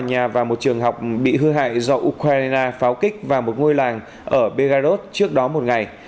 nhà và một trường học bị hư hại do ukraine pháo kích vào một ngôi làng ở begarot trước đó một ngày